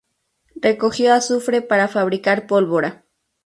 Recogió azufre para fabricar pólvora.